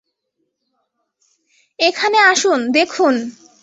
এখানে আসুন, দেখুন।